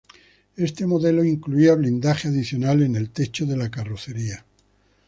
Este modelo incluía blindaje adicional en el techo de la carrocería.